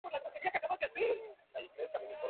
En su lugar suben y bajan la plaza.